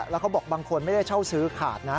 แล้วเขาบอกบางคนไม่ได้เช่าซื้อขาดนะ